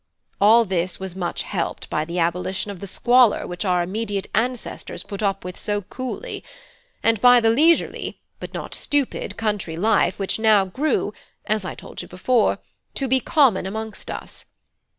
All this was much helped by the abolition of the squalor which our immediate ancestors put up with so coolly; and by the leisurely, but not stupid, country life which now grew (as I told you before) to be common amongst us.